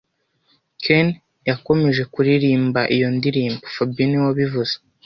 Ken yakomeje kuririmba iyo ndirimbo fabien niwe wabivuze